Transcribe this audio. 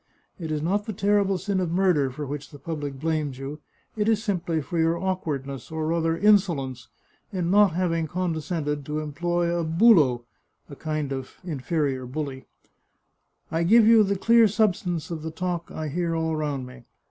It is not the terrible sin of murder for which the public blames you, it is simply for your awkwardness, or rather insolence, in not having condescended to employ a bulo [a kind of in ferior bully]. I give you the clear substance of the talk I hear all round me.